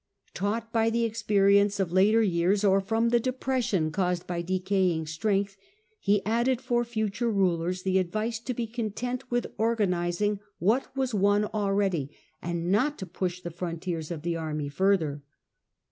Taught by the experience of later years, or from the depression caused by decaying strength, he added foi ,.. future rulers the advice to be content with and advice ... to his sue organizing what was won already, and not to cessors. push the frontiers of the army further.